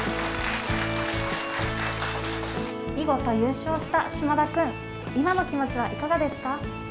見事優勝した嶋田くん今の気持ちはいかがですか。